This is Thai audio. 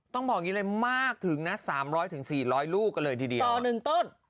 ต้องบอกอย่างงี้เลยมากถึงนะสามร้อยถึงสี่ร้อยลูกกันเลยทีเดียวต่อหนึ่งต้น